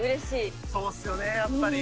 そうっすよねやっぱり。